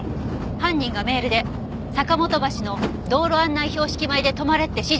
犯人がメールで「坂本橋の道路案内標識前で止まれ」って指示を出してます。